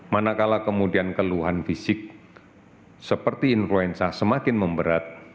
manakala kemudian keluhan fisik seperti influenza semakin memberat